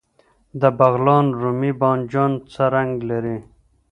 د بغلان رومي بانجان څه رنګ لري؟